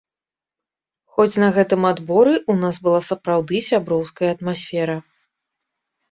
Хоць на гэтым адборы ў нас была сапраўды сяброўская атмасфера.